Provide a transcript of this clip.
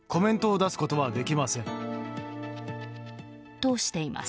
としています。